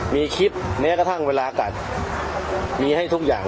มีคิดแม้กระทั่งเวลากัดมีให้ทุกอย่าง